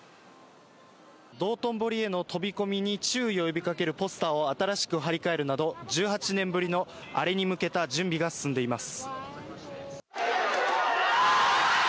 道頓堀への飛び込みに注意を呼びかけるポスターを新しく貼り替えるなど１８年ぶりのアレに向けた準備が進んでいます。